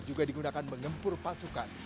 juga digunakan mengempur pasukan